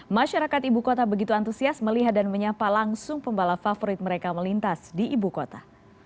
masyarakat ibu kota begitu antusias melihat dan menyapa langsung pembalap favorit mereka melintas di ibu kota